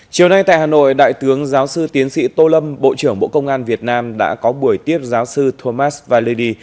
chiều nay tại hà nội đại tướng giáo sư tiến sĩ tô lâm bộ trưởng bộ công an việt nam đã có buổi tiếp giáo sư thomas valadi